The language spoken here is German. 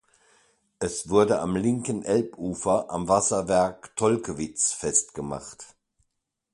Es wurde am linken Elbufer am Wasserwerk Tolkewitz festgemacht.